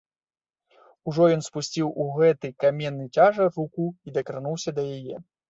Ужо ён спусціў у гэты каменны цяжар руку і дакрануўся да яе.